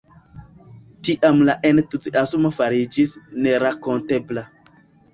Tiam la entuziasmo fariĝis nerakontebla.